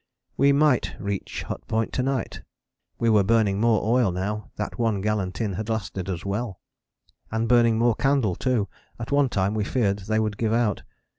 We might reach Hut Point to night: we were burning more oil now, that one gallon tin had lasted us well: and burning more candle too; at one time we feared they would give out.